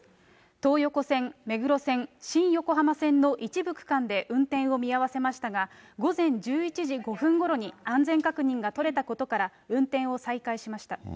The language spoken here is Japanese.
東横線、目黒線、新横浜線の一部区間で運転を見合わせましたが、午前１１時５分ごろに安全確認が取れたことから、運転を再開しました。